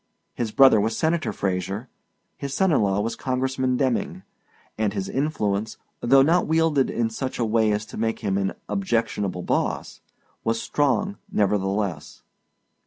His brother was Senator Fraser, his son in law was Congressman Demming, and his influence, though not wielded in such a way as to make him an objectionable boss, was strong nevertheless.